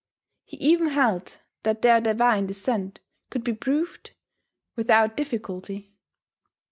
He even held that their divine descent could be proved without difficulty.